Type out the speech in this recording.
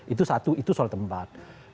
itu satu itu soal tempat